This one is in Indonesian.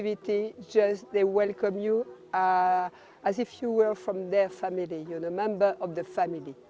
mereka mengucapkan selamat datang seperti jika anda adalah seorang dari keluarga mereka